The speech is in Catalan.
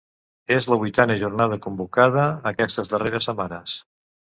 És la vuitena jornada convocada aquestes darreres setmanes.